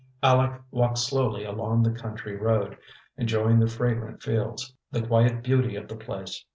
Aleck walked slowly along the country road, enjoying the fragrant fields, the quiet beauty of the place.